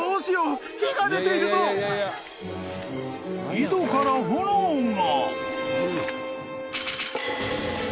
［井戸から炎が］